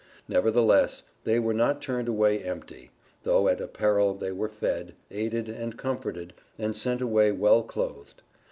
Nevertheless, they were not turned away empty, though at a peril they were fed, aided, and comforted, and sent away well clothed.